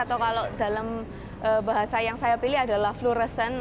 atau kalau dalam bahasa yang saya pilih adalah flureson